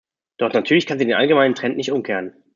Doch natürlich kann sie den allgemeinen Trend nicht umkehren.